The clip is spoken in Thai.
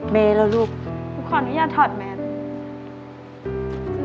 แม่แล้วลูกขออนุญาตถอดแม่ได้